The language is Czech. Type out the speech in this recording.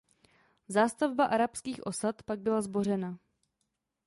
Zástavba arabských osad pak byla zbořena.